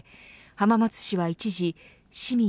浜松市は一時市民